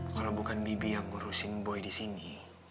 kalau bukan bibi yang ngurusin boy di sini